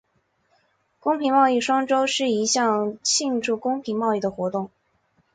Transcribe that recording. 公平贸易双周是一项庆祝公平贸易的活动。